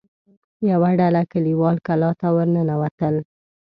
يوه ډله کليوال کلا ته ور ننوتل.